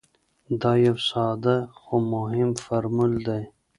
دا یو ساده خو مهم فرمول دی.